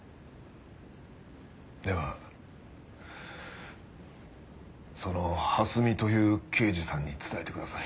ではその蓮見という刑事さんに伝えてください。